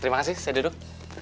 terima kasih saya duduk